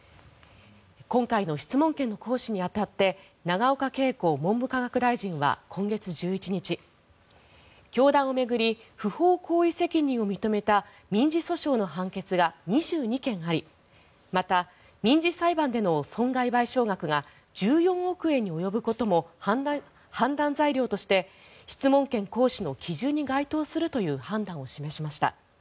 今回の質問権の行使に当たって永岡桂子文部科学大臣は今月１１日教団を巡り不法行為責任を認めた民事訴訟の判決が２２件ありまた、民事裁判での損害賠償額が１４億円に及ぶことも判断材料として質問権行使の基準に該当するという判断を示しました。